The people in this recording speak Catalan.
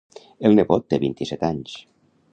El nebot té vint-i-set anys.